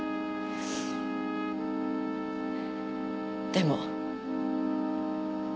でも。